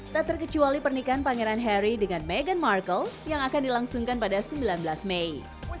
tak terkecuali pernikahan pangeran harry dengan meghan markle yang akan dilangsungkan pada sembilan belas mei